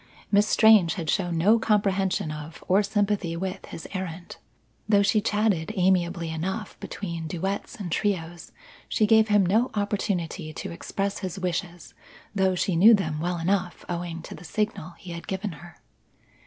Miss Strange had shown no comprehension of or sympathy with his errand. Though she chatted amiably enough between duets and trios, she gave him no opportunity to express his wishes though she knew them well enough, owing to the signal he had given her.